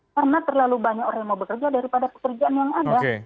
karena terlalu banyak orang yang mau bekerja daripada pekerjaan yang ada